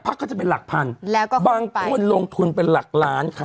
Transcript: ก็จะเป็นหลักพันแล้วก็บางคนลงทุนเป็นหลักล้านค่ะ